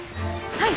はい！